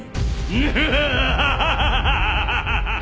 ヌハハハハハ。